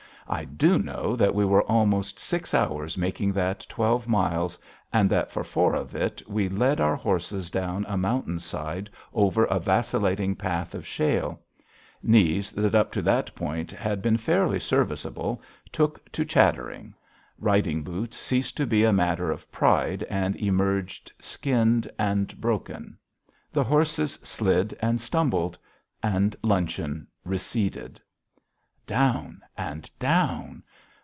I do know that we were almost six hours making that twelve miles and that for four of it we led our horses down a mountain side over a vacillating path of shale. Knees, that up to that point had been fairly serviceable, took to chattering. Riding boots ceased to be a matter of pride and emerged skinned and broken. The horses slid and stumbled. And luncheon receded. Down and down!